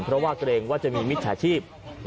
เพราะว่าเกรงว่าจะมีมิจฉาชีพ